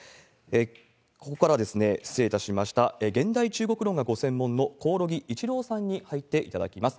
ここから、現代中国論がご専門の興梠一郎さんに入っていただきます。